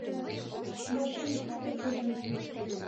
Но шым шукто куржын